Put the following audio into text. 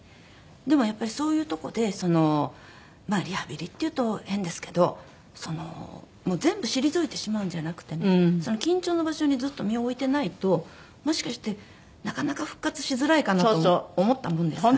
でもやっぱりそういうとこでまあリハビリって言うと変ですけど全部退いてしまうんじゃなくてね緊張の場所にずっと身を置いてないともしかしてなかなか復活しづらいかなと思ったものですから。